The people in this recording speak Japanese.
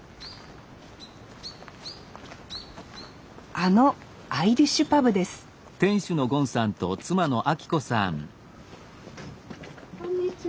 あのアイリッシュパブですこんにちは。